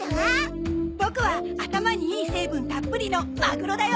ボクは頭にいい成分たっぷりのマグロだよ！